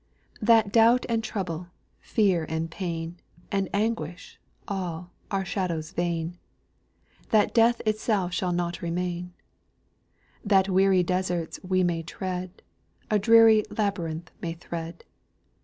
"That doubt and trouble, fear and pain, And anguish, all, are shadows vain, That death itself shall not remain; That weary deserts we may tread, A dreary labyrinth may thread.